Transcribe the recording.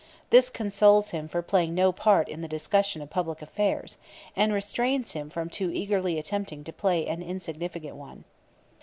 This consoles him for playing no part in the discussion of public affairs, and restrains him from too eagerly attempting to play an insignificant one.